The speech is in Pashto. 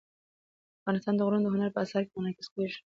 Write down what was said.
افغانستان کې غرونه د هنر په اثار کې منعکس کېږي.